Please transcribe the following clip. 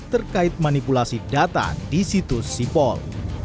terkait manipulasi data di situs sipol